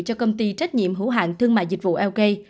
cho công ty trách nhiệm hữu hạng thương mại dịch vụ lk